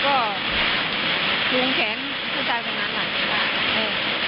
ก็ถึงแขนผู้ชายคนนั้นแหละ